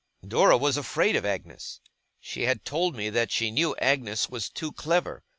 Dora was afraid of Agnes. She had told me that she knew Agnes was 'too clever'.